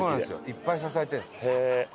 いっぱい支えてるんです。